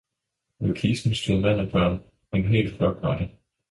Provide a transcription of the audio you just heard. Ved kisten stod mand og børn, en hel flok var det.